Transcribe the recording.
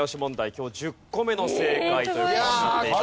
今日１０個目の正解という事になっています。